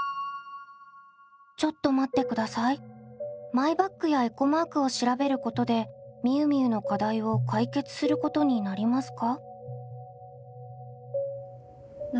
マイバッグやエコマークを調べることでみゆみゆの課題を解決することになりますか？